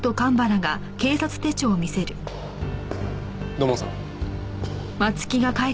土門さん。